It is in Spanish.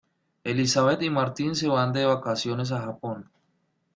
Elisabet y Martín se van de vacaciones a Japón.